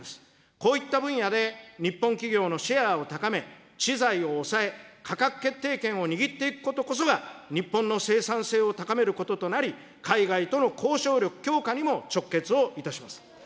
こういった分野で日本企業のシェアを高め、知財を押さえ、価格決定権を握っていくことこそが、日本の生産性を高めることとなり、海外との交渉力強化にも直結をいたします。